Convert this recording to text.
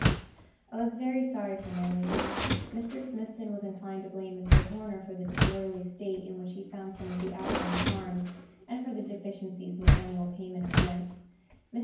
I was very sorry for my lady. Mr. Smithson was inclined to blame Mr. Horner for the disorderly state in which he found some of the outlying farms, and for the deficiencies in the annual payment of rents. Mr.